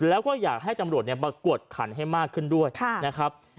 แล้วก็อยากให้ตำรวจประกวดขันให้มากขึ้นด้วยนะครับ